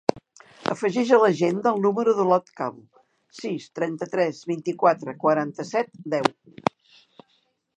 Afegeix a l'agenda el número de l'Ot Cabo: sis, trenta-tres, vint-i-quatre, quaranta-set, deu.